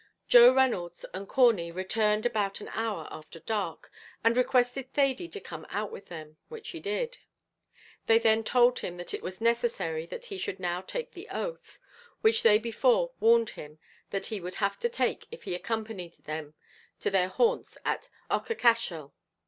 Joe Reynolds and Corney returned about an hour after dark, and requested Thady to come out with them, which he did. They then told him that it was necessary that he should now take the oath, which they before warned him that he would have to take if he accompanied them to their haunts at Aughacashel.